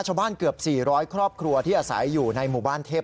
เกือบ๔๐๐ครอบครัวที่อาศัยอยู่ในหมู่บ้านเทพ